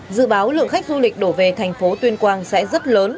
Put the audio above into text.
dự báo lượng khách du lịch đổ về thành phố tuyên quang sẽ rất lớn